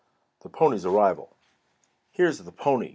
THE PONY'S ARRIVAL "Here's the pony!